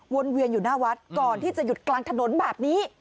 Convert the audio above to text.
เวียนอยู่หน้าวัดก่อนที่จะหยุดกลางถนนแบบนี้